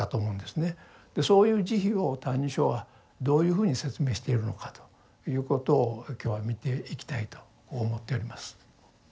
そういう「慈悲」を「歎異抄」はどういうふうに説明しているのかということを今日は見ていきたいと思っております。